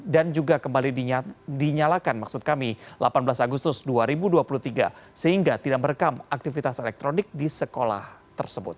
dan juga kembali dinyalakan maksud kami delapan belas agustus dua ribu dua puluh tiga sehingga tidak merekam aktivitas elektronik di sekolah tersebut